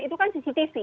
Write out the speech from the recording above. itu kan cctv